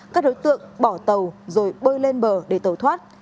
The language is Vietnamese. các đối tượng bỏ tàu rồi bơi lên bờ để tàu thoát